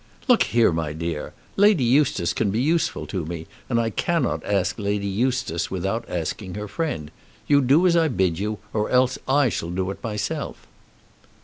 "Look here, my dear, Lady Eustace can be useful to me, and I cannot ask Lady Eustace without asking her friend. You do as I bid you, or else I shall do it myself."